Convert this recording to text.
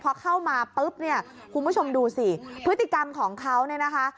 พอเข้ามาปุ๊บเนี่ยคุณผู้ชมดูสิพฤติกรรมของเขาเนี่ยนะคะ